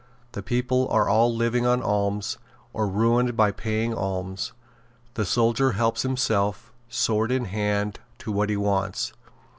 The people are all living on alms, or ruined by paying alms. The soldier helps himself, sword in hand, to what he wants.